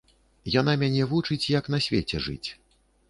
Яна мяне вучыць, як на свеце жыць.